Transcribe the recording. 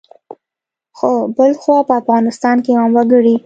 خو بلخوا په افغانستان کې عام وګړي